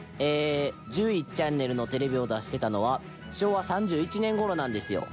１１チャンネルのテレビを出してたのは昭和３１年頃なんですよ。